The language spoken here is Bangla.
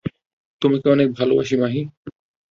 তোমাকে অনেক ভালোবাসি, মাহি!